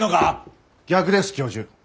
逆です教授。